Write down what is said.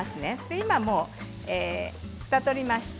今は、ふたを取りました。